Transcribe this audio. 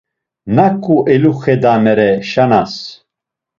Naǩu eluxedanere Şanas?